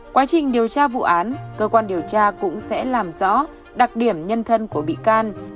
quá trình điều tra vụ án cơ quan điều tra cũng sẽ làm rõ đặc điểm nhân thân của bị can